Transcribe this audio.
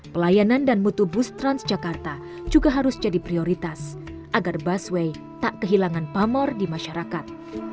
pelayanan dan mutu bus transjakarta juga harus jadi prioritas agar busway tak kehilangan pamor di masyarakat